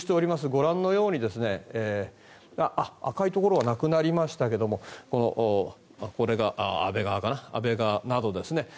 ご覧のように赤いところはなくなりましたがこれが安倍川などですね。